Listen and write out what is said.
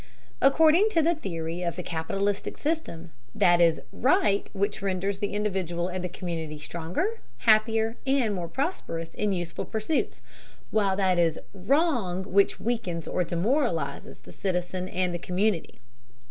According to the theory of the capitalistic system, that is "right" which renders the individual and the community stronger, happier, and more prosperous in useful pursuits, while that is "wrong" which weakens or demoralizes the citizen and the community.